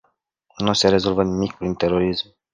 Nu se rezolvă nimic prin terorism.